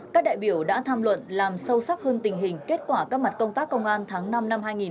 các đại biểu đã tham luận làm sâu sắc hơn tình hình kết quả các mặt công tác công an tháng năm năm hai nghìn hai mươi ba